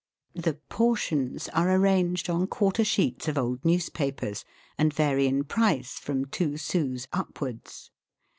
The " portions " are arranged on quarter sheets of old newspapers, and vary in price from two sous upwards.